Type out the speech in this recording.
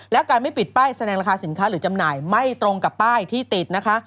และการไม่ปิดป้ายแสดงราคาสินค้าหรือจำหน่ายไม่ตรงกับป้ายที่ติดนะคะ